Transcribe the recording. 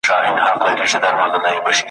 هر یو پر خپله لاره روان سي `